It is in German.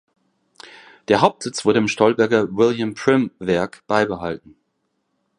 Der Hauptsitz wurde im Stolberger William Prym Werk beibehalten.